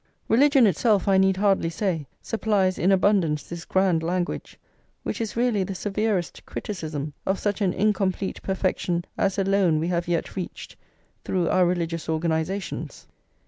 Religion itself, I need hardly say, supplies in abundance this grand language, which is really the severest criticism of such an incomplete perfection as alone we have yet reached through our religious organisations.